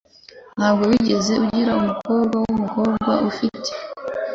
Ntabwo wigeze ugira umukobwa wumukobwa, ufite?